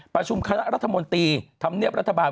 ประชุมคณะรัฐมนตรีธรรมเนียบรัฐบาล